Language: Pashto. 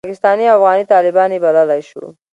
پاکستاني او افغاني طالبان یې بللای شو.